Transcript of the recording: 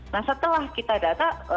nah setelah kita data